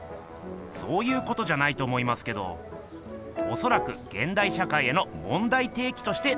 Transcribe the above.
そういうことじゃないと思いますけどおそらく現代社会への問題提起としてつくられているんじゃないんですか？